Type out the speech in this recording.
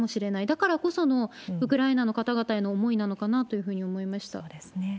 だからこそのウクライナの方々への思いなのかなというふうに思いそうですね。